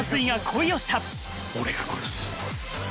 俺が殺す。